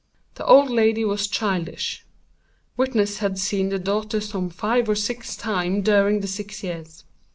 The old lady was childish. Witness had seen the daughter some five or six times during the six years.